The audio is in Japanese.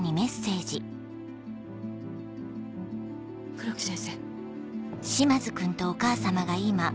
黒木先生。